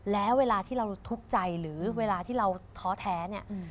แล้วเวลาที่เราทุกข์ใจหรือเวลาที่เราท้อแท้เนี่ย